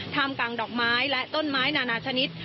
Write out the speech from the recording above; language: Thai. มกลางดอกไม้และต้นไม้นานาชนิด